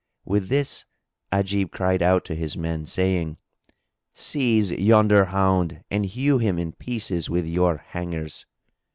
With this Ajib cried out to his men, saying, "Seize yonder hound and hew him in pieces with your hangers."